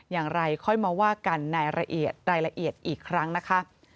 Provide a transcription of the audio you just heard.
อย่างไรค่อยมาว่ากันในรายละเอียดอีกครั้งนะคะ